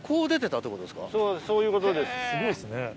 すごいですね。